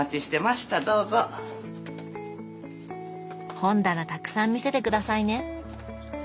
本棚たくさん見せて下さいね！